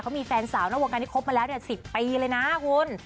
เขามีแฟนสาวนอกวงการที่ครบมาแล้ว๑๐ปีเลยนะคุณ